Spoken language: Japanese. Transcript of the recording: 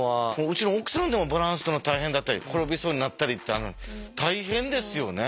うちの奥さんでもバランス取るの大変だったり転びそうになったりってあるのに大変ですよね。